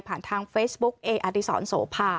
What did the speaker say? ผ่านทางเฟซบุ๊คเออาธิสรโสภา